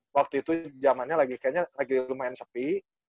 waktu itu jamannya lagi kayaknya lagi lumayan sepi